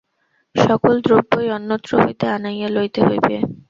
সকল দ্রব্যই অন্যত্র হইতে আনাইয়া লইতে হইবে।